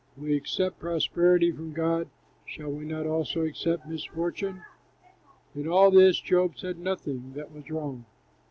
We accept prosperity from God, shall we not also accept misfortune?" In all this Job said nothing that was wrong.